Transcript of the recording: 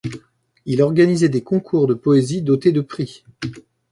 Il organisait des concours de poésie dotés de prix.